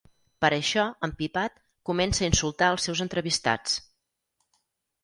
Per això, empipat, comença a insultar els seus entrevistats.